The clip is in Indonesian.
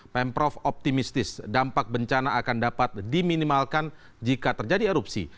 pemprov optimistis dampak bencana akan dapat diminimalkan jika terjadi erupsi